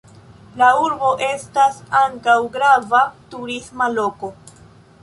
La urbo estas ankaŭ grava turisma loko.